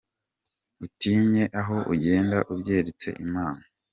Utinye aho ugende ubyeretse Imana